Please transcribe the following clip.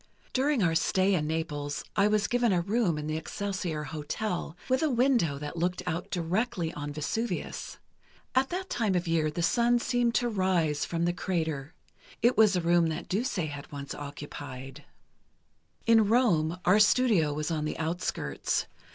"During our stay in Naples, I was given a room in the Excelsior Hotel, with a window that looked out directly on Vesuvius. At that time of year, the sun seemed to rise from the crater. It was a room that Duse had once occupied. "In Rome, our studio was on the outskirts.